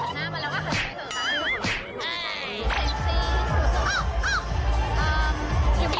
เพราะมันต้องกำลังกำลังกายเยอะ